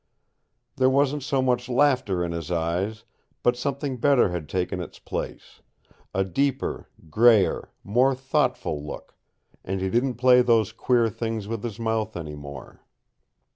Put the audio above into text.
There wasn't so much laughter in his eyes, but something better had taken its place a deeper, grayer, more thoughtful look, and he didn't play those queer things with his mouth any more.